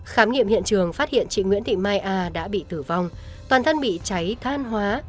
khám nghiệm hiện trường phát hiện chị nguyễn thị mai a đã bị tử vong toàn thân bị cháy than hóa